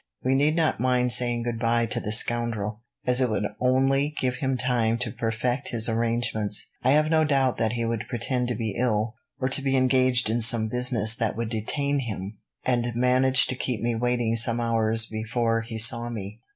We need not mind saying goodbye to this scoundrel, as it would only give him time to perfect his arrangements. I have no doubt that he would pretend to be ill, or to be engaged in some business that would detain him, and manage to keep me waiting some hours before he saw me.